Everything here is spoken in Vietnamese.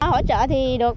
hỗ trợ thì được